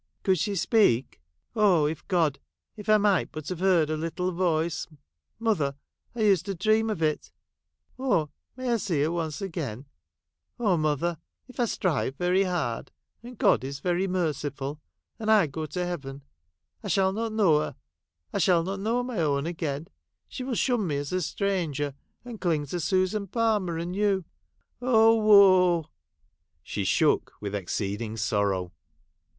' Could she speak ? Oh, if God— if I might but have heard her little voice ! Mother, I used to dream of it. May I see her once again — Oh mother, if I strive very hard, and God is very merciful, and I go to heaven, I shall not know her — I shall not know my own again — she will shun me as a stranger and cling to Susan Palmer and to you. Oh woe ! Oh woe !' She shook with exceeding sorrow.